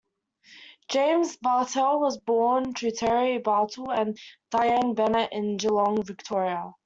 James Bartel was born to Terry Bartel and Dianne Bennett in Geelong, Victoria.